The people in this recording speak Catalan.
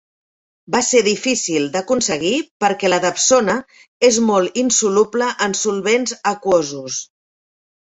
Va ser difícil d'aconseguir perquè la dapsona és molt insoluble en solvents aquosos.